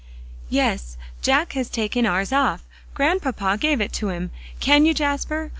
"Yes; Jack has taken ours off; Grandpapa gave it to him. Can you, Jasper?